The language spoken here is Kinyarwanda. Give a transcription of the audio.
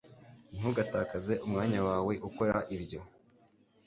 Ntugatakaze umwanya wawe ukora ibyo